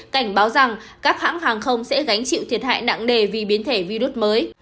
cảnh báo rằng các hãng hàng không sẽ gánh chịu thiệt hại nặng nề vì biến thể virus mới